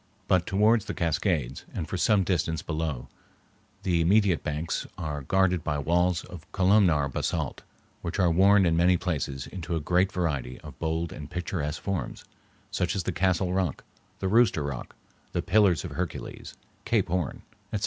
But towards the Cascades, and for some distance below them, the immediate banks are guarded by walls of columnar basalt, which are worn in many places into a great variety of bold and picturesque forms, such as the Castle Rock, the Rooster Rock, the Pillars of Hercules, Cape Horn, etc.